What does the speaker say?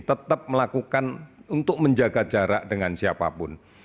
tetap melakukan untuk menjaga jarak dengan siapapun